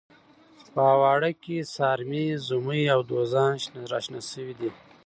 په اواړه کې سارمې، زمۍ او دوزان راشنه شوي دي.